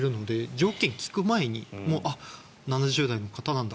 条件を聞く前にあっ、７０代の方なんだ